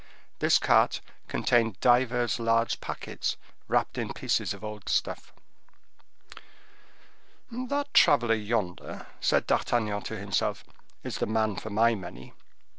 This cart contained divers large packets wrapped in pieces of old stuff. "That traveler yonder," said D'Artagnan to himself, "is the man for my money.